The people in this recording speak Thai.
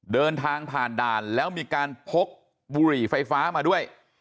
เดินทางผ่านด่านแล้วมีการพกบุหรี่ไฟฟ้ามาด้วย